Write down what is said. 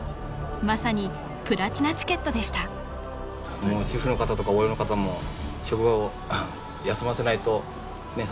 まさにプラチナチケットでしたもう主婦の方とかＯＬの方も職場を休ませないとねっ